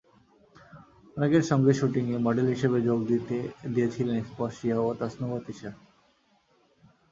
অনেকের সঙ্গে শুটিংয়ে মডেল হিসেবে যোগ দিয়েছিলেন স্পর্শিয়া ও তাসনুভা তিশা।